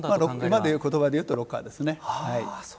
今の言葉で言うとロッカーですね。